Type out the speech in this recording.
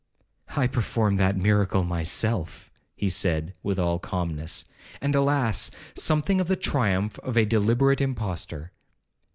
'I performed that miracle myself,' he said with all the calmness, and, alas! something of the triumph of a deliberate impostor.